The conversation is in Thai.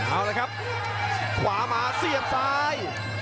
เอาละครับขวามาเสียบซ้าย